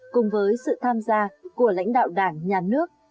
cùng với sự tham gia của lãnh đạo đảng nhà nước